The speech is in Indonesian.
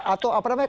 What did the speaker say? atau apa namanya